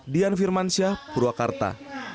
dian firmansyah purwakarta